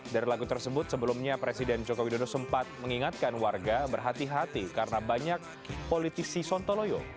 dari lagu tersebut sebelumnya presiden joko widodo sempat mengingatkan warga berhati hati karena banyak politisi sontoloyo